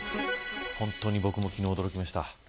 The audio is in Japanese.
本当に僕も昨日、驚きました。